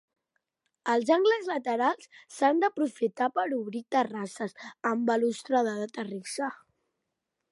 Els angles laterals s'han aprofitat per obrir terrasses amb balustrada de terrissa.